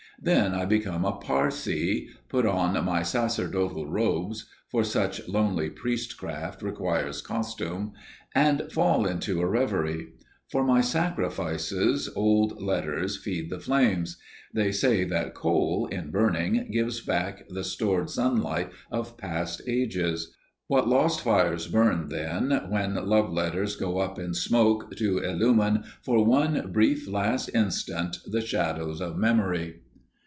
Then I become a Parsee, put on my sacerdotal robes (for such lonely priestcraft requires costume), and fall into a reverie. For my sacrifices, old letters feed the flames. They say that coal, in burning, gives back the stored sunlight of past ages. What lost fires burn, then, when love letters go up in smoke to illumine for one brief, last instant the shadows of memory!